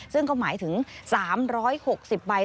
ซึ่งก็หมายถึง๓๖๐ใบ